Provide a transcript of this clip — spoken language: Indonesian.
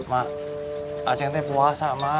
mak aceh nanti puasa mak